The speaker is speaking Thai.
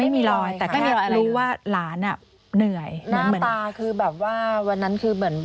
มาดูเหนื่อย